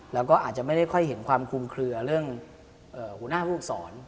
แล้วก็อาจจะไม่ได้ค่อยเห็นความคุมเคลือเรื่องหัวหน้าผู้ฝึกสอน